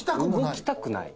動きたくない。